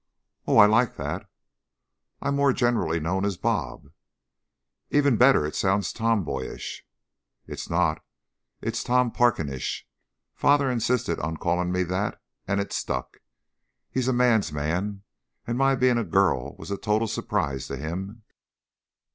"Oh, I like that!" "I'm more generally known as 'Bob.'" "Even better! It sounds tomboyish." "It's not. It is Tom Parkerish. Father insisted on calling me that and it stuck. He's a man's man and my being a girl was a total surprise to him.